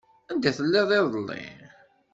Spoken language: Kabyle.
Anda telliḍ iḍelli?